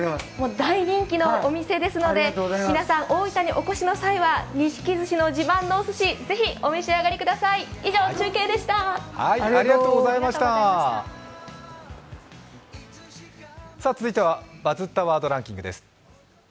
大人気のお店ですので、皆さん大分にお越しの際には自慢のおすし是非お召し上がりください。